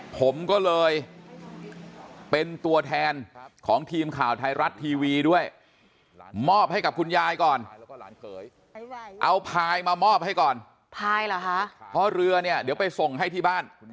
ผมก็เลยเป็นตัวแทนของทีมข่าวไทยรัฐทีวีด้วยมอบให้กับคุณยายก่อนเอาพายมามอบให้ก่อนพายเหรอคะเพราะเรือเนี่ยเดี๋ยวไปส่งให้ที่บ้าน